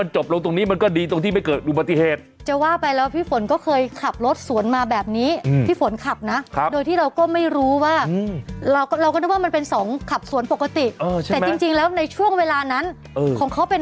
ใช่บางทีเขาเหมือนกับว่าในช่วงเวลานี้ก็เป็น